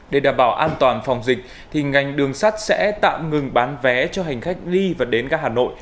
để đảm bảo an toàn phòng dịch ngành đường sắt sẽ tạm ngừng bán vé cho hành khách ly và đến ga hà nội